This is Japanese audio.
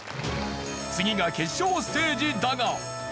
次が決勝ステージだが。